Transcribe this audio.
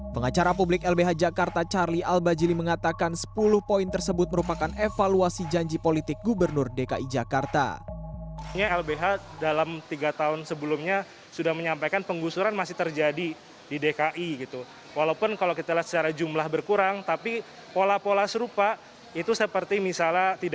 pengacara publik lbh jakarta charlie albajili mengatakan sepuluh poin tersebut merupakan evaluasi janji politik gubernur dki jakarta